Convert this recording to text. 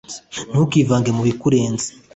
Ntukivange mu bikurenze,